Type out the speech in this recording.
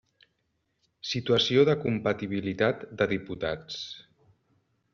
Situació de compatibilitat de diputats.